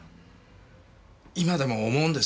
今でも思うんですよ。